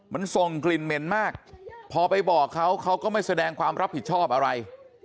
มันส่งกลิ่นเหม็นมากพอไปบอกเขาเขาก็ไม่แสดงความรับผิดชอบอะไร